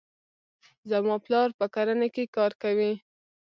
زما پلار په کرنې کې کار کوي.